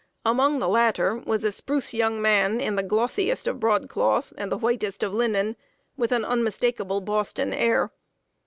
Among the latter was a spruce young man in the glossiest of broadcloth, and the whitest of linen, with an unmistakable Boston air.